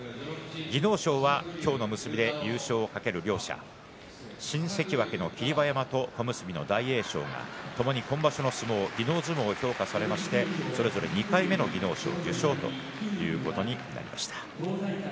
技能賞は今日の結びで優勝を懸ける両者新関脇の霧馬山と小結の大栄翔がともに今場所の相撲、技能相撲を評価されましてそれぞれ２回目の技能賞受賞ということになりました。